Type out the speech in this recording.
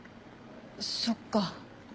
そっか。